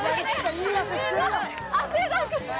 いい汗してるよ。